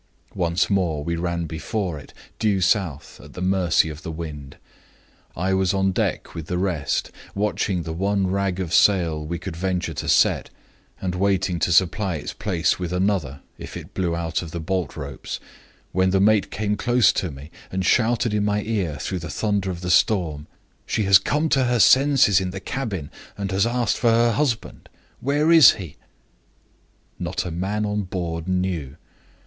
Once more we ran before it, due south, at the mercy of the wind. I was on deck with the rest, watching the one rag of sail we could venture to set, and waiting to supply its place with another, if it blew out of the bolt ropes, when the mate came close to me, and shouted in my ear through the thunder of the storm: 'She has come to her senses in the cabin, and has asked for her husband. Where is he?' Not a man on board knew.